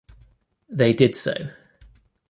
They did so.